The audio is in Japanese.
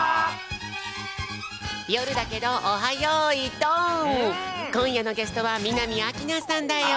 夜だけど「オハ！よいどん」。こんやのゲストは南明奈さんだよ。